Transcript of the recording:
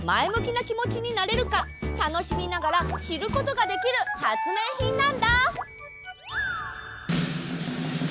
なきもちになれるかたのしみながらしることができるはつめいひんなんだ！